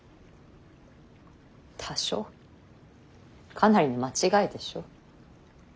かなりの間違いでしょう。